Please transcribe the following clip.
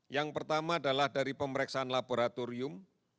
yang pertama adalah dari pemeriksaan laboratorium